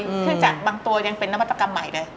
เครื่องจักรบางตัวยังเป็นนวัตกรรมใหม่เลย